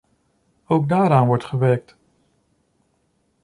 Ook daaraan wordt gewerkt.